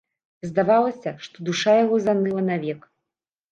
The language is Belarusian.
Здавалася, што душа яго заныла навек.